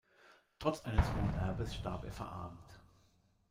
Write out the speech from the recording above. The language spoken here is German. Trotz eines hohen Erbes starb er verarmt.